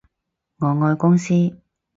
我愛公司